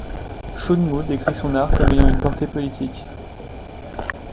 Sun Mu décrit son art comme ayant une portée politique.